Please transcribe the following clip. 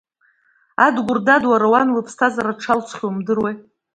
Адгәыр, дад, уара уан лыԥсҭазаара дшалҵхьоу умдыруеи.